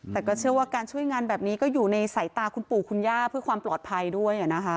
แต่ก็เชื่อว่าการช่วยงานแบบนี้ก็อยู่ในสายตาคุณปู่คุณย่าเพื่อความปลอดภัยด้วย